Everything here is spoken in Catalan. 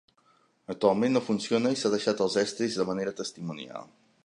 Actualment no funciona i s'han deixat els estris de manera testimonial.